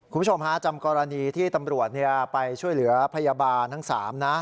คุณผู้ชมฮะจำกรณีที่ตำรวจไปช่วยเหลือพยาบาลทั้ง๓นะ